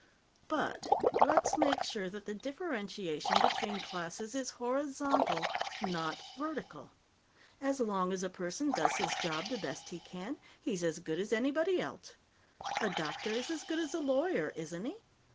But let's make sure that the differentiation between classes is horizontal, not vertical. As long as a person does his job the best he can, he's as good as anybody else. A doctor is as good as a lawyer, isn't he?